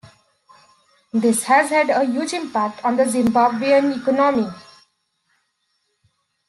This has had a huge impact on the Zimbabwean economy.